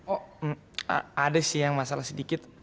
oh ada sih yang masalah sedikit